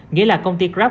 nghĩa là công ty grab